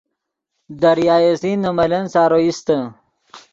دریائے سندھ نے ملن سارو ایستے